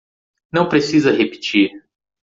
Não precisa repetir